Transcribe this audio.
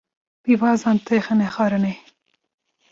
pîvazan têxine xwarinê